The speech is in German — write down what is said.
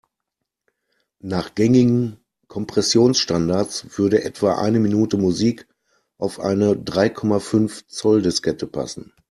Nach gängigen Kompressionsstandards würde etwa eine Minute Musik auf eine drei Komma fünf Zoll-Diskette passen.